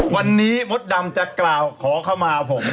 วันนี้มดดำจะกล่าวขอเข้ามาผม